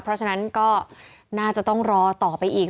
เพราะฉะนั้นก็น่าจะต้องรอต่อไปอีก